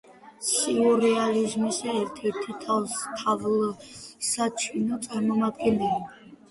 სიურეალიზმის ერთ-ერთი თვალსაჩინო წარმომადგენელი.